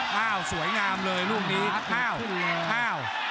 จิ้มอ้าวสวยงามเลยรูปนี้อ้าวอ้าว